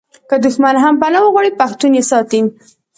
که دښمن هم پنا وغواړي پښتون یې ساتي.